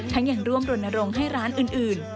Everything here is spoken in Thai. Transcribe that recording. ทั้งอย่างร่วมโรนโรงให้ร้านอื่น